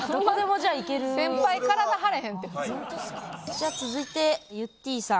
じゃあ続いてゆってぃさん。